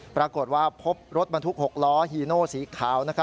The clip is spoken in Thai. ปรากฏว่าพบรถบันทุกข์๖ล้อฮีโน่สีขาวนะครับ